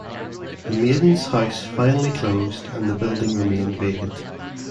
The Maidens’ House finally closed and the building remained vacant.